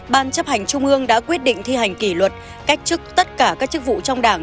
ban chấp hành trung ương đã quyết định thi hành kỷ luật cách chức tất cả các chức vụ trong đảng